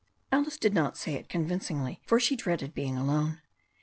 1 Alice did not say it convincingly, for she dreaded being alone.